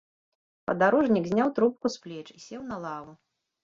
Падарожнік зняў трубку з плеч і сеў на лаву.